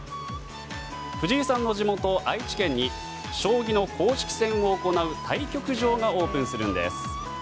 藤井さんの地元・愛知県に将棋の公式戦を行う対局場がオープンするんです。